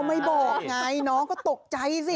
ไม่บอกไงน้องก็ตกใจสิ